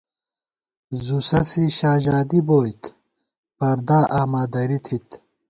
زُو سَسی شاژادی بوئیت، پردا آما دری تھِت